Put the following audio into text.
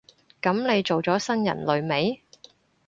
噉你做咗新人類未？